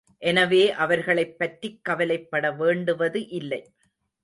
எனவே அவர்களைப் பற்றிக் கவலைப்பட வேண்டுவது இல்லை.